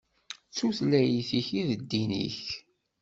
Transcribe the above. D tutlayt-ik i d ddin-ik.